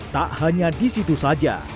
tak hanya disitu saja